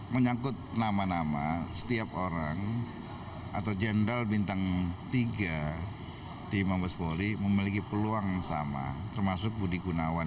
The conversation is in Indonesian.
menyangkut nama nama setiap orang atau jenderal bintang tiga di mabes polri memiliki peluang sama termasuk budi gunawan